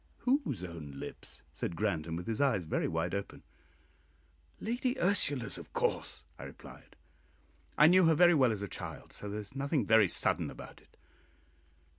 "Whose own lips?" said Grandon, with his eyes very wide open. "Lady Ursula's, of course!" I replied. "I knew her very well as a child, so there is nothing very sudden about it.